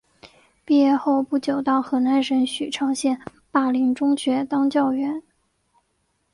毕业后不久到河南省许昌县灞陵中学当教员。